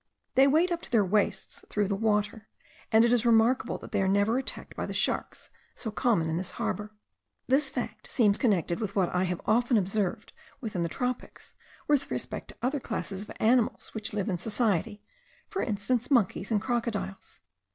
They wade up to their waists through the water; and it is remarkable that they are never attacked by the sharks, so common in this harbour. This fact seems connected with what I have often observed within the tropics, with respect to other classes of animals which live in society, for instance monkeys and crocodiles.